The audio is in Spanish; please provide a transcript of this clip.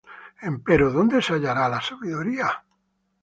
Empero ¿dónde se hallará la sabiduría?